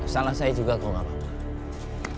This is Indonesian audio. salah saya juga kalau nggak apa apa